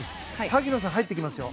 萩野さん、入ってきますよ。